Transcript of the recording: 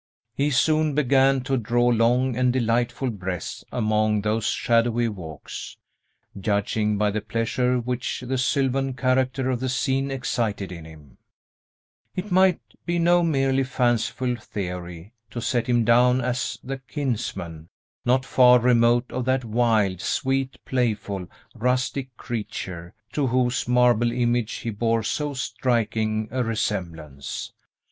He soon began to draw long and delightful breaths among those shadowy walks. Judging by the pleasure which the sylvan character of the scene excited in him, it might be no merely fanciful theory to set him down as the kinsman, not far remote, of that wild, sweet, playful, rustic creature, to whose marble image he bore so striking a resemblance.